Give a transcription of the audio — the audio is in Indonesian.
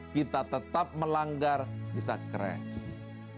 kita tetap melanggar bisa crash